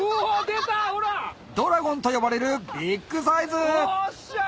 ドラゴンと呼ばれるビッグサイズおっしゃ！